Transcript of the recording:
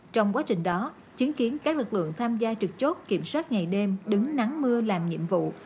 trong quá trình đó chứng kiến các lực lượng tham gia trực chốt kiểm soát ngày đêm đứng nắng mưa làm nhiệm vụ